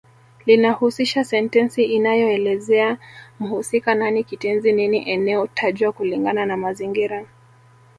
Linahusisha sentensi inayoelezea mhusika nani kitenzi nini eneo tajwa kulingana na mazingira